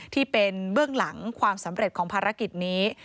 เบื้องหลังความสำเร็จของภารกิจนี้